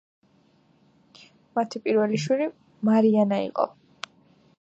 მათი პირველი შვილი მარიანა იყო.